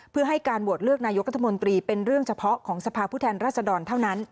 เพื่อให้การโหวตเลือกนายกรัฐมนตรีเป็นเรื่องเฉพาะของสภาพผู้แทนรัศดรเท่านั้น